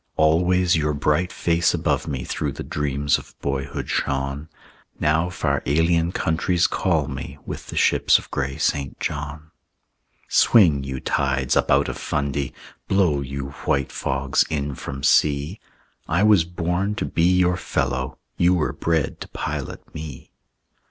Always your bright face above me Through the dreams of boyhood shone; Now far alien countries call me With the ships of gray St. John. Swing, you tides, up out of Fundy! Blow, you white fogs, in from sea! I was born to be your fellow; You were bred to pilot me.